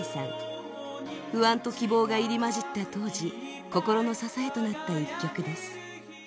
不安と希望が入り交じった当時心の支えとなった一曲です。